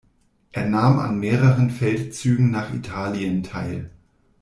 Er nahm an mehreren Feldzügen nach Italien teil.